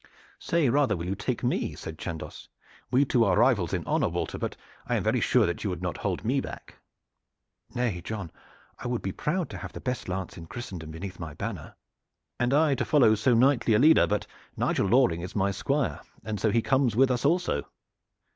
"Say rather will you take me?" said Chandos. "We two are rivals in honor, Walter, but I am very sure that you would not hold me back." "Nay, John, I will be proud to have the best lance in Christendom beneath my banner." "And I to follow so knightly a leader. But Nigel Loring is my Squire, and so he comes with us also."